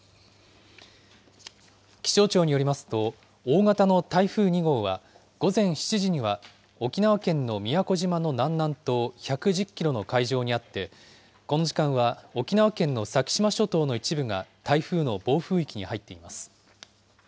気象庁によりますと、大型の台風２号は、午前７時には沖縄県の宮古島の南南東１１０キロの海上にあって、この時間は沖縄県の先島諸島の一部が台風の暴風域に入っています。